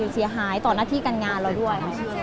เสียหายต่อหน้าที่การงานเราด้วย